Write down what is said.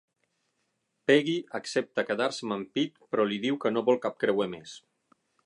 Peggy accepta quedar-se amb en Pete però li diu que no vol cap creuer més.